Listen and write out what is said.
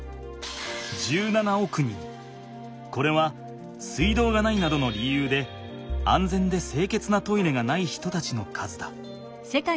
これは水道がないなどの理由で安全で清潔なトイレがない人たちの数だ。